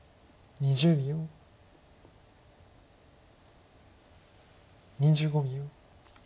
２５秒。